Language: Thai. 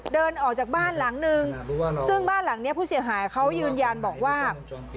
เดินออกจากบ้านหลังนึงซึ่งบ้านหลังนี้ผู้เสียหายเขายืนยันบอกว่า